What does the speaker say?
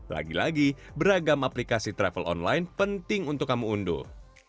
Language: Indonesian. lagi lagi beragam aplikasi travel online penting untuk kamu unduh